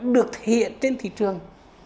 được thể hiện trên thị trường